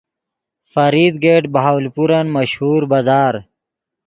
فرید گیٹ بہاولپورن مشہور بازار